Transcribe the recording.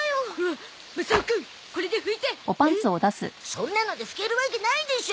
そんなので拭けるわけないでしょ！